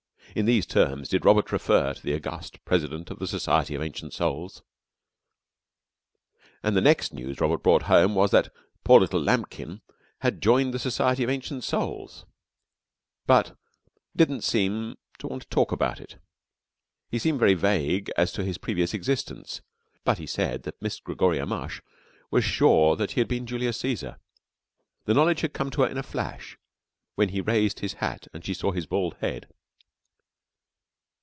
In these terms did Robert refer to the august President of the Society of Ancient Souls. And the next news Robert brought home was that "poor little Lambkin" had joined the Society of Ancient Souls, but didn't seem to want to talk about it. He seemed very vague as to his previous existence, but he said that Miss Gregoria Mush was sure that he had been Julius Cæsar. The knowledge had come to her in a flash when he raised his hat and she saw his bald head.